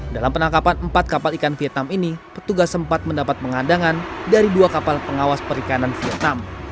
dalam penangkapan empat kapal ikan vietnam ini petugas sempat mendapat pengadangan dari dua kapal pengawas perikanan vietnam